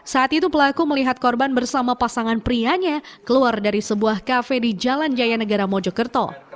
saat itu pelaku melihat korban bersama pasangan prianya keluar dari sebuah kafe di jalan jaya negara mojokerto